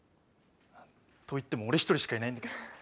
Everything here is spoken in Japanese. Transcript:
といっても俺一人しかいないんだけどね。